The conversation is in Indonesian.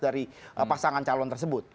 dari pasangan calon tersebut